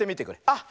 あっ！